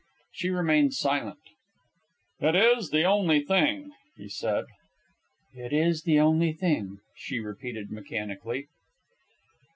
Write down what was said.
She remained silent. "It is the only thing," he said. "It is the only thing," she repeated mechanically.